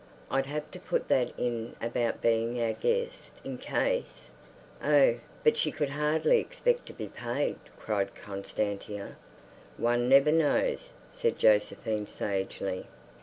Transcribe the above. I'd have to put that in about being our guest in case—" "Oh, but she could hardly expect to be paid!" cried Constantia. "One never knows," said Josephine sagely.